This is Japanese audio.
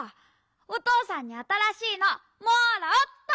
おとうさんにあたらしいのもらおっと。